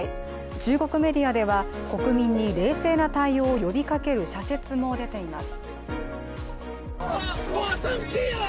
中国メディアでは国民に冷静な対応を呼びかける社説も出ています。